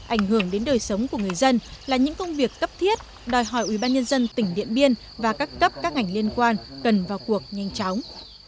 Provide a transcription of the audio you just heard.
ảnh hưởng đến đời sống của người dân là những công việc cấp thiết đòi hỏi ubnd tỉnh điện biên và các cấp các ngành liên quan cần vào cuộc nhanh chóng